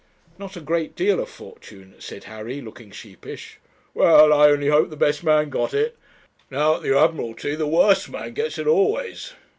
'Not a great deal of fortune,' said Harry, looking sheepish. 'Well, I only hope the best man got it. Now, at the Admiralty the worst man gets it always.'